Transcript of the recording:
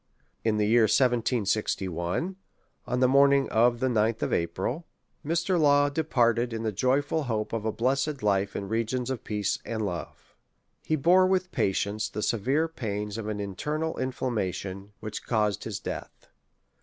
In the year 1761, on the morning of the 9th of April, Mr. Law departed in the joyful hope of a bless ed life in regions of peace and love. He bore with patience the severe pains of an internal inflammation, which caused his death.